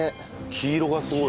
黄色がすごい。